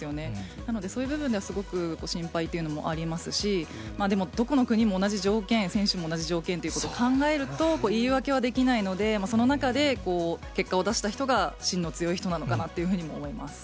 なので、そういう部分ではすごく心配というのもありますし、でもどこの国も同じ条件、選手も同じ条件ということで考えると、言い訳はできないので、その中で、結果を出した人が真の強い人の中なというふうにも思います。